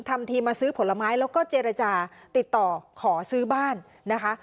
ทำทีมาซื้อผลไม้แล้วก็เจรจาติดต่อขอซื้อบ้านนะคะ